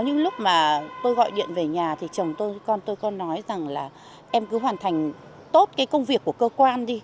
những lúc mà tôi gọi điện về nhà thì chồng tôi con tôi có nói rằng là em cứ hoàn thành tốt cái công việc của cơ quan đi